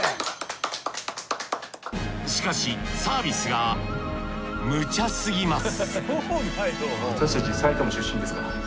しかしサービスが無茶すぎます